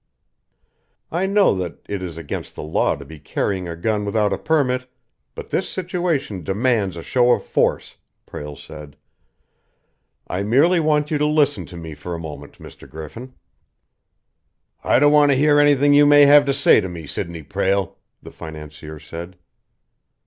"I know that it is against the law to be carrying a gun without a permit, but this situation demands a show of force," Prale said. "I merely want you to listen to me for a moment, Mr. Griffin." "I don't want to hear anything you may have to say to me, Sidney Prale!" the financier said.